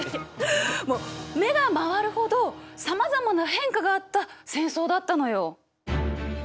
もう目が回るほどさまざまな変化があった戦争だったのよ。